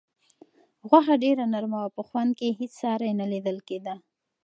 غوښه ډېره نرمه وه او په خوند کې یې هیڅ ساری نه لیدل کېده.